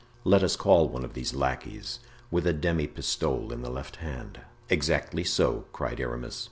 Let us call one of these lackeys, with a demi pistole in the left hand." "Exactly so," cried Aramis.